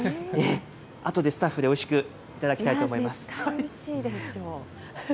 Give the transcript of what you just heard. あとでスタッフでおいしく頂きたいと思います。